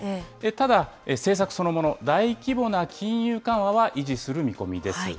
ただ、政策そのもの、大規模な金融緩和は維持する見込みです。